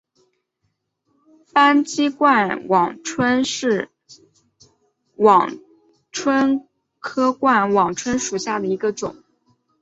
斑脊冠网蝽为网蝽科冠网蝽属下的一个种。